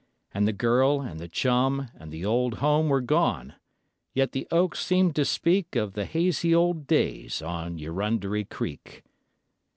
And the girl and the chum And the old home were gone, yet the oaks seemed to speak Of the hazy old days on Eurunderee Creek.